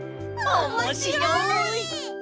おもしろいです！